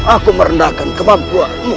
aku merendahkan kemampuanmu